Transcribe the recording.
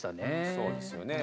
そうですよね。